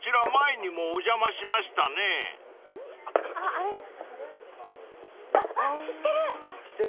あっあっ知ってる！